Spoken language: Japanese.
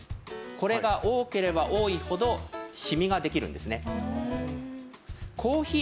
これが多ければ多いほどシミができるんですね。